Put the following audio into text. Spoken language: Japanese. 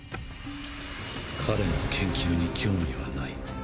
彼の研究に興味はない。